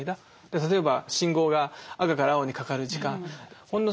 例えば信号が赤から青にかかる時間。